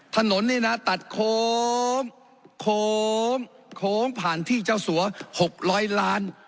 ถนนนี่นะตัดโค้งโค้งโค้งผ่านที่เจ้าสัว๖๐๐ล้าน